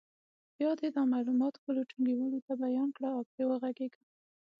بیا دې دا معلومات خپلو ټولګیوالو ته بیان کړي او پرې وغږېږي.